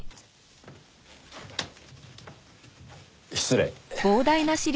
失礼。